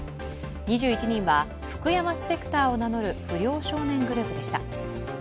２１人は福山スペクターを名乗る不良少年グループでした。